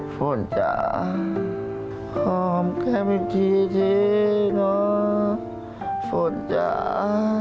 ฝนจ้าขอหอมแก้มอีกทีน้องฝนจ้า